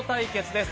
です。